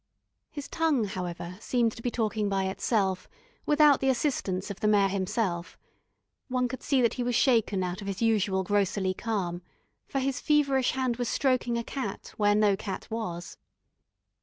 His tongue, however, seemed to be talking by itself, without the assistance of the Mayor himself. One could see that he was shaken out of his usual grocerly calm, for his feverish hand was stroking a cat where no cat was.